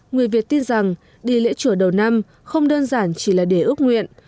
người việt tin rằng đi lễ chùa đầu năm không đơn giản chỉ là để ước nguyện